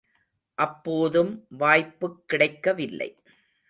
அப்போதும் வாய்ப்புக் கிடைக்கவில்லை.